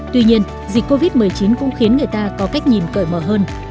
tuy nhiên dịch covid một mươi chín cũng khiến người ta có cách nhìn cởi mở hơn